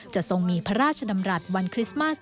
ทรงมีพระราชดำรัฐวันคริสต์มัส